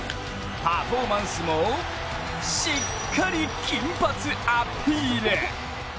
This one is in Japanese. パフォーマンスもしっかり金髪アピール。